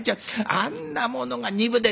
あんなものが２分で」。